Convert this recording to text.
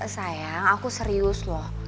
sayang aku serius loh